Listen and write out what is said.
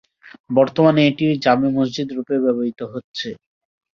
বর্তমানে এটি জামে মসজিদরূপে ব্যবহূত হচ্ছে।